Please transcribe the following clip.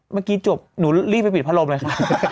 เมื่อกี้จบหนูรีบไปปิดพัดลมเลยค่ะ